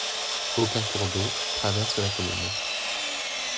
Aucun cours d'eau traverse la commune.